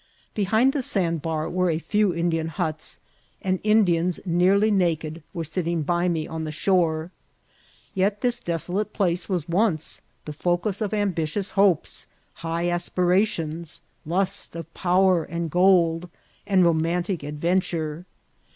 Behind the sandbar were a few Indian huts, and Indians nearly naked were sitting by me on the shore. Yet this deso* late place was once the focus of ambitious hopes, high aspirations, lust of power and gold, and romantic ad venture.